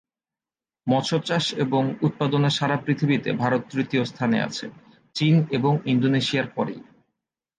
মৎস্য চাষ এবং উৎপাদনে সারা পৃথিবীতে ভারত তৃতীয় স্থানে আছে, চীন এবং ইন্দোনেশিয়ার পরেই।